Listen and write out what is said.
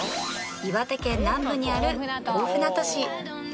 岩手県南部にある大船渡市